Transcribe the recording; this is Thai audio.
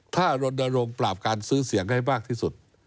ถ้ารณรงค์ปราบการซื้อเสียงให้มากที่สุด